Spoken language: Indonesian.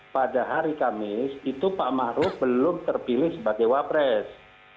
pada hari kamis itu pak maruf belum terpilih sebagai wapres